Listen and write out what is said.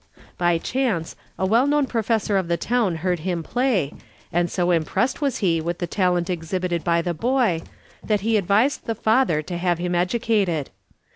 "By chance a well known professor of the town heard him play, and so impressed was he with the talent exhibited by the boy that he advised the father to have him educated.